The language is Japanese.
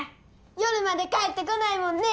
夜まで帰ってこないもんね。